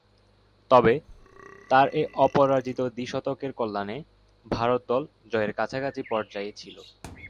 তবে, তার এ অপরাজিত দ্বি-শতকের কল্যাণে ভারত দল জয়ের কাছাকাছি পর্যায়ে ছিল।